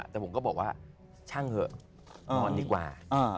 แต่ผมก็บอกว่าช่างเถอะนอนดีกว่า